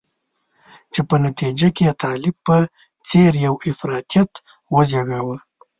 چې په نتیجه کې یې طالب په څېر یو افراطیت وزیږاوه.